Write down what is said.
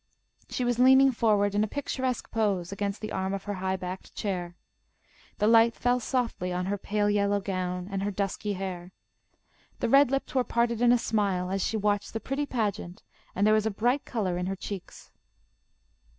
She was leaning forward in a picturesque pose against the arm of her high backed chair. The light fell softly on her pale yellow gown and her dusky hair. The red lips were parted in a smile as she watched the pretty pageant, and there was a bright colour in her cheeks.